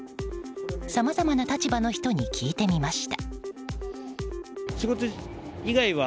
さまざまな立場の人に聞いてみました。